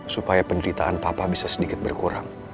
supaya penderitaan papa bisa sedikit berkurang